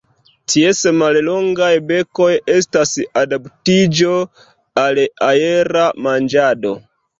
Ties mallongaj bekoj estas adaptiĝo al aera manĝado.